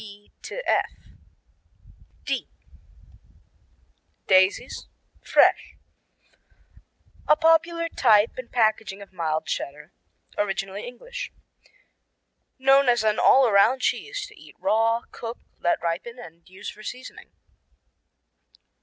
D Daisies, fresh A popular type and packaging of mild Cheddar, originally English. Known as an "all around cheese," to eat raw, cook, let ripen, and use for seasoning.